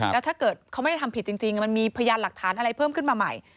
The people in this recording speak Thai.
แล้วถ้าเกิดเขาไม่ได้ทำผิดจริงมันมีพยานหลักฐานอะไรเพิ่มขึ้นมาใหม่